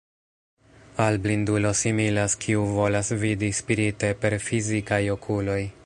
Al blindulo similas kiu volas vidi spirite per fizikaj okuloj.